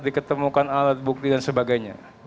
diketemukan alat bukti dan sebagainya